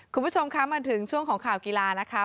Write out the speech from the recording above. คุณผู้ชมคะมาถึงช่วงของข่าวกีฬานะคะ